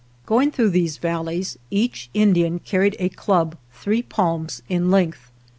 Going through these valleys each Indian carried a club three palms in length.